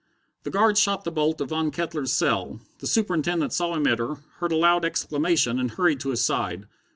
The guard shot the bolt of Von Kettler's cell. The Superintendent saw him enter, heard a loud exclamation, and hurried to his side.